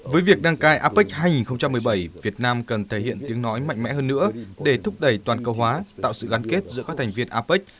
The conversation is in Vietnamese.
với việc đăng cai apec hai nghìn một mươi bảy việt nam cần thể hiện tiếng nói mạnh mẽ hơn nữa để thúc đẩy toàn cầu hóa tạo sự gắn kết giữa các thành viên apec